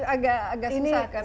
agak susah kan misalnya